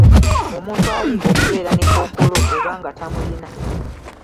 Omuntu ali okubeera ne kkookolo oba nga tamulina.